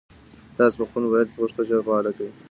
تاسو په خپل موبایل کې پښتو ژبه فعاله کړئ.